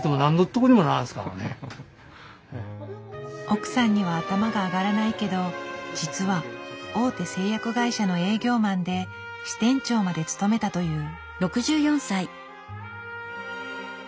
奥さんには頭が上がらないけど実は大手製薬会社の営業マンで支店長まで務めたという。